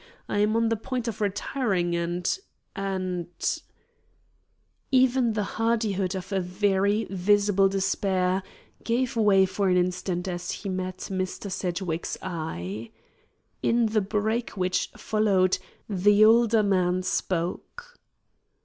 I am on the point of retiring and and " Even the hardihood of a very visible despair gave way for an instant as he met Mr. Sedgwick's eye. In the break which followed, the older man spoke.